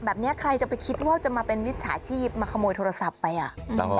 แบบนี้ใครจะไปคิดว่าจะมาเป็นมิจฉาชีพมาขโมยโทรศัพท์ไปอ่ะ